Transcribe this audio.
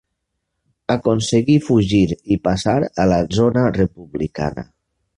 Aconseguí fugir i passar a la zona republicana.